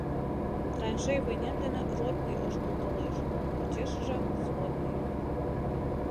Траншей вынем дене ротный ошкыл толеш, почешыже — взводный.